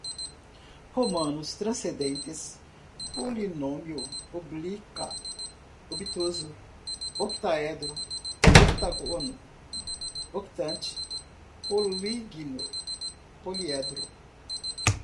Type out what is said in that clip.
romanos, transcendentes, polinômio, oblíqua, obtuso, octaedro, octógono, octante, polígino, poliedro